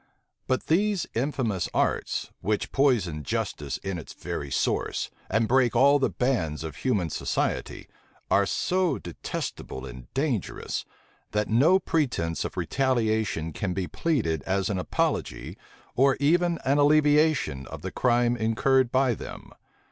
But these infamous arts, which poison justice in its very source, and break all the bands of human society, are so detestable and dangerous, that no pretence of retaliation can be pleaded as an apology or even an alleviation of the crime incurred by them.